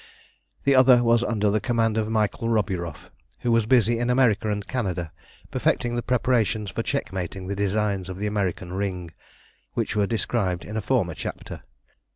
The other was under the command of Michael Roburoff, who was busy in America and Canada perfecting the preparations for checkmating the designs of the American Ring, which were described in a former chapter.